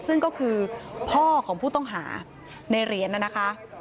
ซึ่งก็คือพ่อของผู้ต้องหาในเหรียญน่ะนะคะ